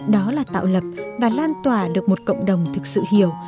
đó là tạo lập và lan tỏa được một cộng đồng thực sự hiểu